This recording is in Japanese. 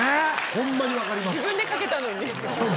ホンマにわかります。